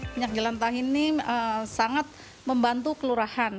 minyak jelantah ini sangat membantu kelurahan